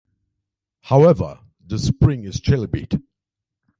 However, the spring is chalybeate.